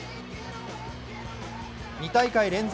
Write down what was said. ２大会連続